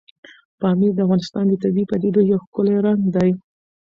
پامیر د افغانستان د طبیعي پدیدو یو ښکلی رنګ دی.